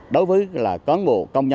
đối với là cóng bộ công nhân